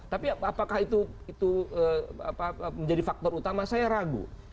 tapi apakah itu menjadi faktor utama saya ragu